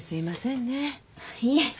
いえ。